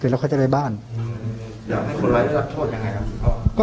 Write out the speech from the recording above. อเจมส์อยากให้คนไลฟ์รับโทษยังไงครับ